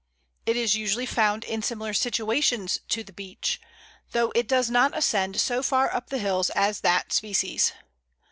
It is usually found in similar situations to the Beech, though it does not ascend so far up the hills as that species.